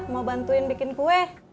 mau bantuin bikin kue